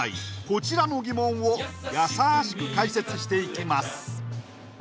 こちらの疑問をやさしく解説していきます